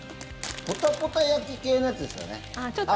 ぽたぽた焼系のやつですよね。